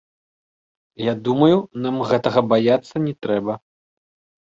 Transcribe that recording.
Я думаю, нам гэтага баяцца не трэба.